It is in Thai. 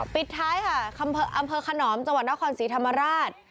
ปิดท้ายค่ะอำเภอขนอมจังหวัดนครศรีธรรมราช